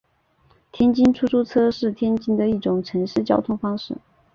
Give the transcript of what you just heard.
天津出租车是天津的一种城市交通方式。